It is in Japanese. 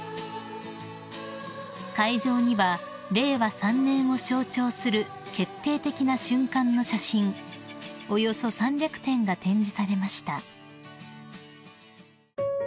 ［会場には令和３年を象徴する決定的な瞬間の写真およそ３００点が展示されました］